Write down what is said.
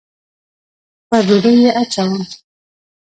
پر ډوډۍ یې اچوم